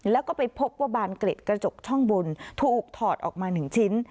แล้วก็ไปพบว่าบานเกร็ดกระจกช่องบนถูกถอดออกมา๑ชิ้น